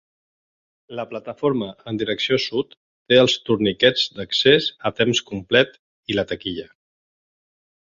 La plataforma en direcció sud té els torniquets d'accés a temps complet i la taquilla.